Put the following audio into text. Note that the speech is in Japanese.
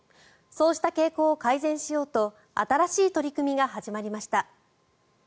そうした傾向を改善しようと新しい取り組みが始まりました。